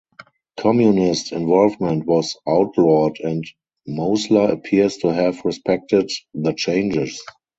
Communist involvement was outlawed and Mosler appears to have respected the changes.